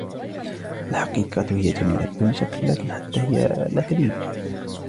الحقيقة هي جميلة ، بدون شك ، ولكن حتى هي الأكاذيب.